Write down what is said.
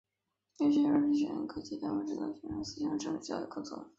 由学校至学院各级党委安排指导学生思想政治教育工作。